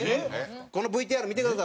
このＶＴＲを見てください